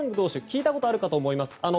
聞いたことがあると思います。